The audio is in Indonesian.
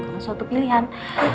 karena suatu pilihan